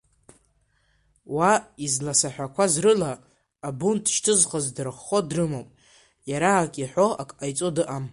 Уи, изласаҳақәаз рыла, абунт шьҭызхыз дырххо дрымоуп, иара ак иҳәо, ак ҟаиҵо дыҟам.